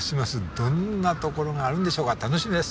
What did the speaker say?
どんなところがあるんでしょうか楽しみです。